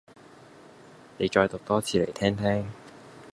你再讀多次嚟聽聽